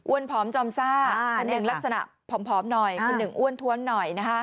อ้วนผอมจอมซ่า๑ลักษณะผอมหน่อย๑อ้วนทวนหน่อย